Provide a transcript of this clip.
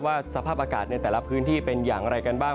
สภาพอากาศในแต่ละพื้นที่เป็นอย่างไรกันบ้าง